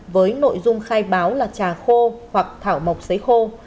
với nội dung khai báo là trà khô hoặc thảo mộc sấy khô